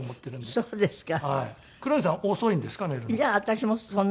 ああそうですか。